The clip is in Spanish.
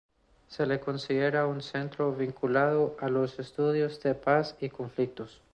Se le considera un centro vinculado a los estudios de paz y conflictos.